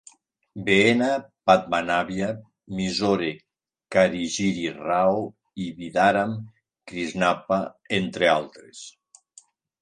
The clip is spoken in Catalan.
Veena Padmanabiah, Mysore Karigiri Rao i Bidaram Krishnappa, entre altres.